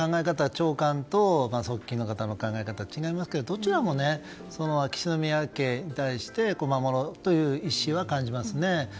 長官と側近の方で違うと思いますけどどちらも秋篠宮家に対して守ろうという意思を感じますね。